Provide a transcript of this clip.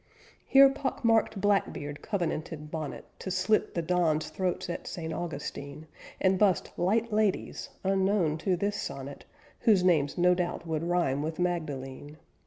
Here pock marked Black Beard covenanted Bonnet To slit the Dons' throats at St. Augustine, And bussed light ladies, unknown to this sonnet, Whose names, no doubt, would rime with Magdalene.